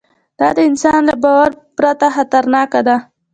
دا د انسان له باور پرته خطرناکه ده.